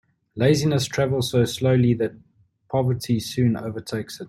Laziness travels so slowly that poverty soon overtakes it.